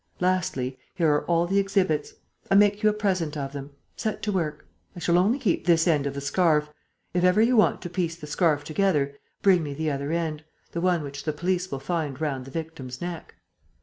Lastly, here are all the exhibits. I make you a present of them. Set to work. I shall only keep this end of the scarf. If ever you want to piece the scarf together, bring me the other end, the one which the police will find round the victim's neck.